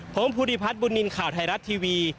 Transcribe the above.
ผมภูริพัฒน์บุญนินทร์ข่าวไทยรัฐทีวี